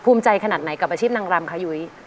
ใจขนาดไหนกับอาชีพนางรำคะยุ้ย